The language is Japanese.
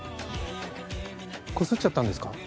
こすっちゃったんですか？